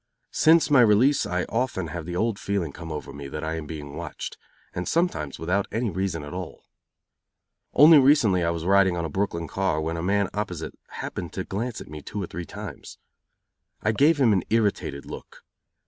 Since my release I often have the old feeling come over me that I am being watched; and sometimes without any reason at all. Only recently I was riding on a Brooklyn car, when a man sitting opposite happened to glance at me two or three times. I gave him an irritated look.